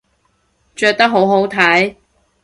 着得好好睇